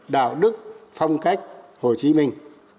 đạo đức phong cách hồ chí minh